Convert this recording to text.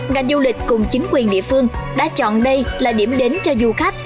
ngành du lịch cùng chính quyền địa phương đã chọn đây là điểm đến cho du khách